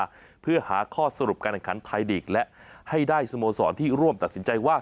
มาเพื่อหาข้อสรุปการแข่งขันไทยลีกและให้ได้สโมสรที่ร่วมตัดสินใจว่า